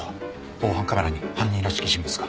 防犯カメラに犯人らしき人物が。